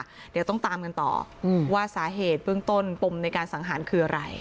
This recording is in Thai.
เดี๋ยวต้องตามกันต่อว่าสาเหตุเบื้องต้นปมในการสังหารคืออะไร